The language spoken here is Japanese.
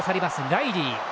ライリー。